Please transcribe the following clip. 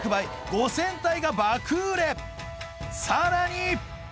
さらに！